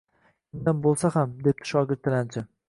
Kimdan bo’lsa ham!-debdi shogird tilanchi...